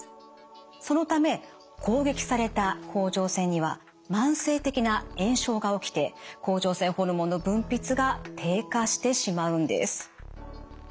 そのため攻撃された甲状腺には慢性的な炎症が起きて甲状腺ホルモンの分泌が低下してしまうんです。